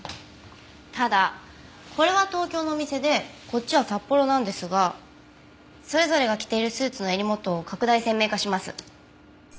ただこれは東京のお店でこっちは札幌なんですがそれぞれが着ているスーツの襟元を拡大鮮明化します。